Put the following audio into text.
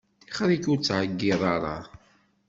Tixeṛ-ik ur ttɛeyyiḍ ara.